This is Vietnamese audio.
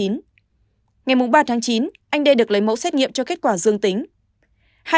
ngày ba tháng chín anh đê được lấy mẫu xét nghiệm cho kết quả dương tính